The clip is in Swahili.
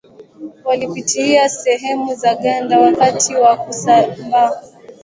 walipitia sehemu za ganda wakati wa kusambaa